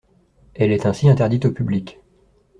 Elle est ainsi interdite au public.